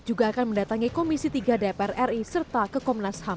juga akan mendatangi komisi tiga dpr ri serta ke komnas ham